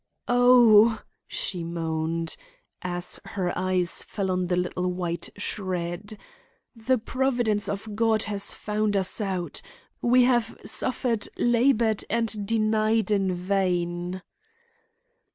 "Oh!" she moaned, as her eyes fell on the little white shred. "The providence of God has found us out. We have suffered, labored and denied in vain."